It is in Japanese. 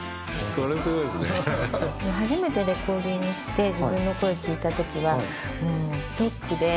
初めてレコーディングして自分の声聴いた時はもうショックで。